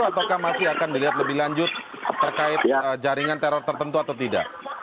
ataukah masih akan dilihat lebih lanjut terkait jaringan teror tertentu atau tidak